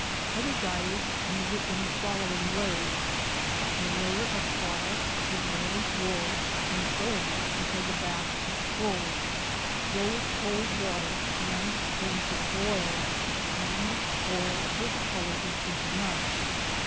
Other dyers use it in the following way: A layer of crottle, a layer of wool, and so on until the bath is full; fill with cold water and bring to the boil, and boil till the colour is deep enough.